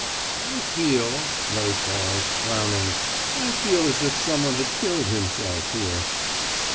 "I feel " Ray paused, frowning. "I feel as if some one had killed himself here."